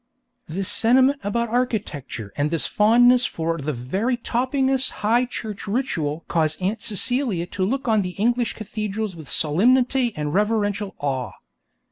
This sentiment about architecture and this fondness for the very toppingest High Church ritual cause Aunt Celia to look on the English cathedrals with solemnity and reverential awe.